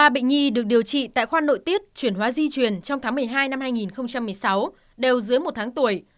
ba bệnh nhi được điều trị tại khoa nội tiết chuyển hóa di truyền trong tháng một mươi hai năm hai nghìn một mươi sáu đều dưới một tháng tuổi